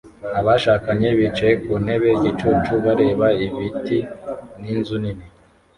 Abashakanye bicaye ku ntebe igicucu bareba ibiti n'inzu nini